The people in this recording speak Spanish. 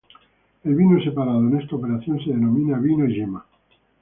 El vino separado en esta operación se denomina vino yema.